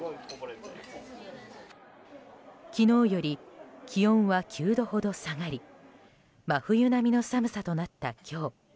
昨日より気温は９度ほど下がり真冬並みの寒さとなった今日。